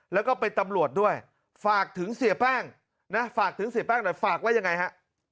แล้วก็เป็นตำรวจด้วยฝากถึงเสียแป้งนะฝากถึงเสียแป้งหน่อยฝากไว้ยังไงฮะ